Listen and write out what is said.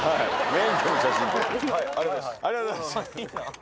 ありがとうございます。